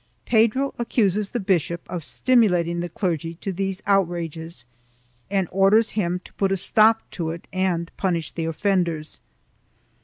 Pedro accuses the bishop of stimulating the clergy to these outrages and orders him to put a stop to it and punish the offenders.